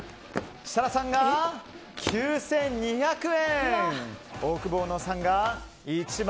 設楽さん、９２００円。